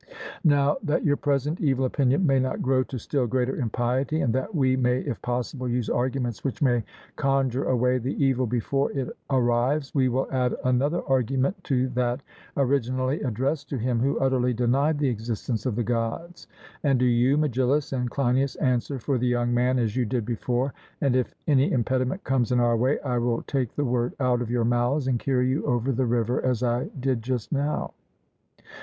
Now, that your present evil opinion may not grow to still greater impiety, and that we may if possible use arguments which may conjure away the evil before it arrives, we will add another argument to that originally addressed to him who utterly denied the existence of the Gods. And do you, Megillus and Cleinias, answer for the young man as you did before; and if any impediment comes in our way, I will take the word out of your mouths, and carry you over the river as I did just now.